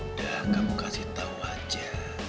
udah kamu kasih tahu aja